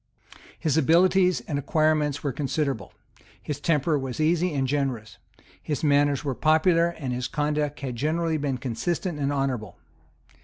His abilities and acquirements were considerable; his temper was easy and generous; his manners were popular; and his conduct had generally been consistent and honourable.